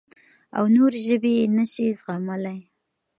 او نورې ژبې نه شي زغملی.